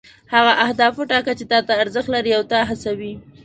هغه اهداف وټاکه چې تا ته ارزښت لري او تا هڅوي.